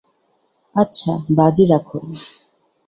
আচ্ছা বাজি রাখো।